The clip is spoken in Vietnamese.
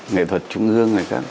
nghệ thuật trung ương